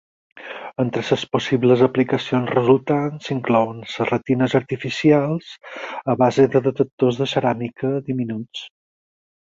Entre les possibles aplicacions resultants, s'inclouen les retines artificials a base de detectors de ceràmica diminuts.